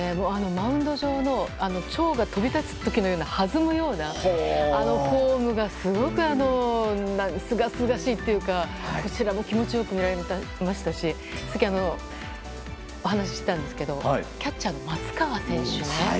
マウンド上のチョウが飛び立つ時のような弾むようなフォームがすごくすがすがしいというかこちらも気持ちよく見れましたしさっきお話ししてたんですけどキャッチャーの松川選手。